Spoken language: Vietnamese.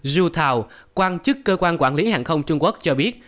zhu tao quan chức cơ quan quản lý hàng không trung quốc cho biết